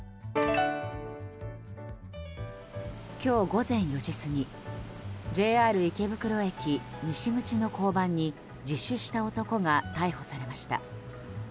今日午前４時過ぎＪＲ池袋駅西口の交番に自首した男が逮捕されました。